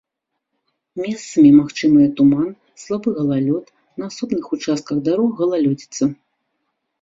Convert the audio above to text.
Месцамі магчымыя туман, слабы галалёд, на асобных участках дарог галалёдзіца.